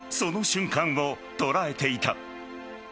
カメラはその瞬間を捉えていた。